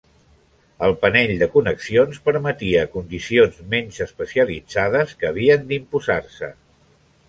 El panell de connexions permetia condicions menys especialitzades que havien d'imposar-se.